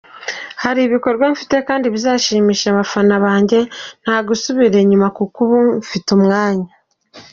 Hari ibikorwa mfite kandi bizashimisha abafana banjye, nta gusubira inyuma kuko ubu mfite umwanya.